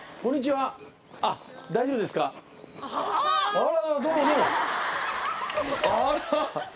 あら。